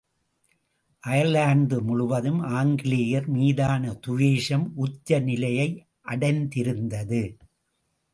Ireland முழுவதும் ஆங்கிலேயர் மீதான துவேஷம் உச்சநிலையைடைந்திருந்தது.